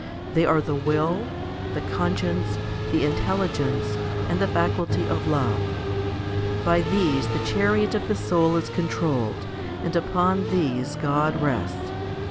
They are the will, the conscience, the intelligence, and the faculty of love. By these the chariot of the soul is controlled, and upon these God rests.